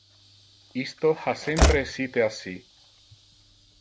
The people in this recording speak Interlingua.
Isto ha sempre essite assi.